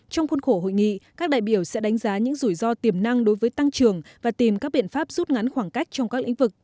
trong khuôn khổ hội nghị các đại biểu sẽ đánh giá những rủi ro tiềm năng đối với tăng trường và tìm các biện pháp rút ngắn khoảng cách trong các lĩnh vực